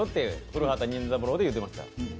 「古畑任三郎」で言うてましたよ。